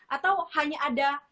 atau hanya ada